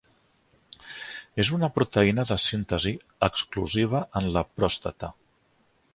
És una proteïna de síntesi exclusiva en la pròstata.